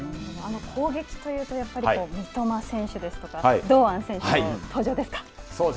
攻撃というと、やっぱり三笘選手ですとか、堂安選手の登場です